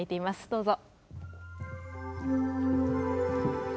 どうぞ。